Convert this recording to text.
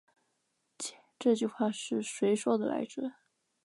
欸，这句话是谁说的来着。